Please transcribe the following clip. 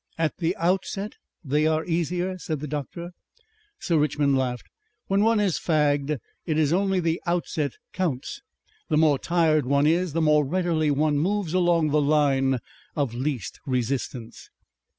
"At the OUTSET they are easier," said the doctor. Sir Richmond laughed. "When one is fagged it is only the outset counts. The more tired one is the more readily one moves along the line of least resistance....